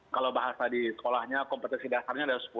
kalau bahasa di sekolahnya kompetisi dasarnya ada sepuluh